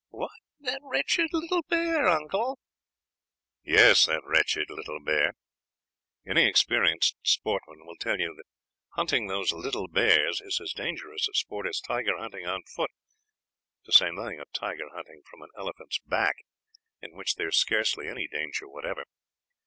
"What, that wretched little bear, uncle?" "Yes, that wretched little bear. Any experienced sportsman will tell you that hunting those little bears is as dangerous a sport as tiger hunting on foot, to say nothing of tiger hunting from an elephant's back, in which there is scarcely any danger whatever.